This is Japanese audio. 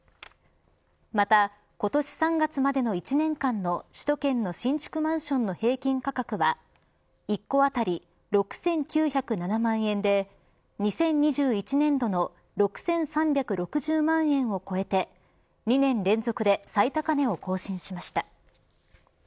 また、今年３月までの１年間の首都圏の新築マンションの平均価格は１戸当たり６９０７万円で２０２１年度の６３６０万円を超えて２年連続で最高値を更新しました。